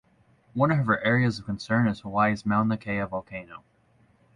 One of her areas of concern is Hawaii’s Mauna Kea volcano.